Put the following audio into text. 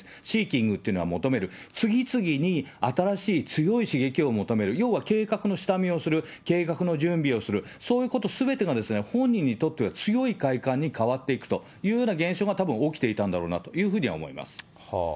シーキングというのは求める、次々に新しい強い刺激を求める、要は計画の下見をする、計画の準備をする、そういうことすべてが本人にとっては強い快感に変わっていくとような現象がたぶん、起きていたんだろうなというふうには思います。